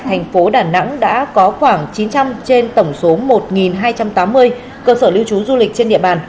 thành phố đà nẵng đã có khoảng chín trăm linh trên tổng số một hai trăm tám mươi cơ sở lưu trú du lịch trên địa bàn